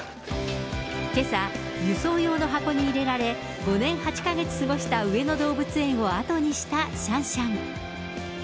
けさ、輸送用の箱に入れられ、５年８か月過ごした上野動物園を後にしたシャンシャン。